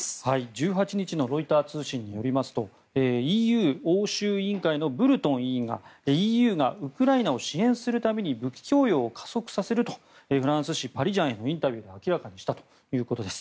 １８日のロイター通信によりますとＥＵ欧州委員会のブルトン委員がＥＵがウクライナを支援するために武器供与を加速させるとフランス紙パリジャンへのインタビューで明らかにしたということです。